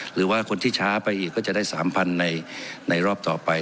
หรือว่าคนที่ช้าไปอีกก็จะได้๓๐๐ในรอบต่อไป